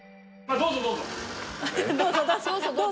どうぞどうぞ。